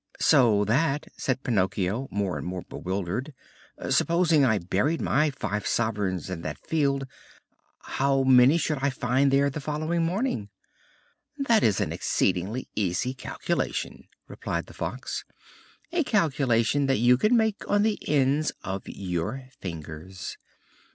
"So that," said Pinocchio, more and more bewildered, "supposing I buried my five sovereigns in that field, how many should I find there the following morning?" "That is an exceedingly easy calculation," replied the Fox, "a calculation that you can make on the ends of your fingers.